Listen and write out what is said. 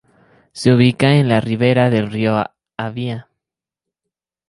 Se ubica en la rivera del río Avia.